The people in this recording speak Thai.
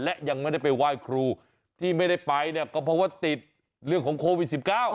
และยังไม่ได้ไปไหว้ครูที่ไม่ได้ไปเนี่ยก็เพราะว่าติดเรื่องของโควิด๑๙